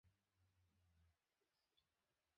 আমি মামাকে সামলাতে চেষ্টা করলাম।